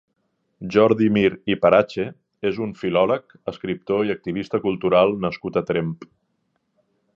Jordi Mir i Parache és un filòleg, escriptor i activista cultural nascut a Tremp.